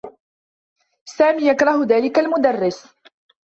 سامي يكره ذلك المدرّس.